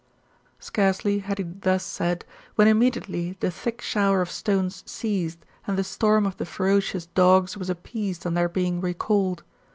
Scarcely had he thus said, when immediately the thick shower of stones ceased, and the storm of the ferocious dogs was appeased on their being recalled.